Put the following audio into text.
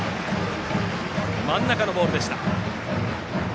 真ん中のボールでした。